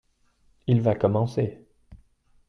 il va commencer.